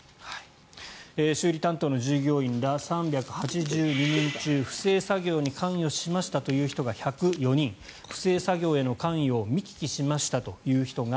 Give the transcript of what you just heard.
修理担当の従業員ら３８２人中不正作業に関与しましたという人が１０４人不正作業への関与を見聞きしましたという人が